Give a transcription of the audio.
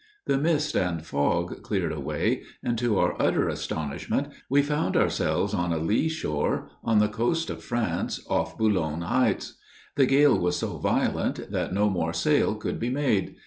The mist and fog cleared away, and, to our utter astonishment, we found ourselves on a lee shore, on the coast of France, off Boulogne heights. The gale was so violent, that no more sail could be made.